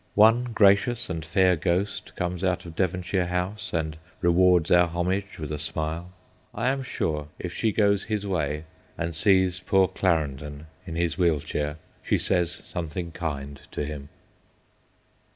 One gracious and fair ghost comes out of Devon shire House and rewards our homage with a smile. I am sure if she goes his way, and sees poor Clarendon in his wheel chair, she says something kind to him.